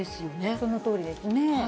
そのとおりですね。